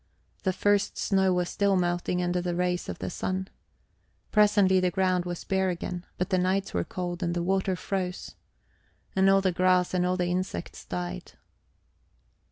The first snow was still melting under the rays of the sun. Presently the ground was bare again, but the nights were cold, and the water froze. And all the grass and all the insects died.